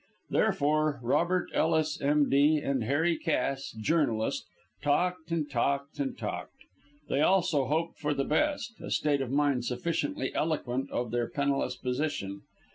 Therefore, Robert Ellis, M.D., and Harry Cass, journalist, talked, and talked, and talked. They also hoped for the best, a state of mind sufficiently eloquent of their penniless position.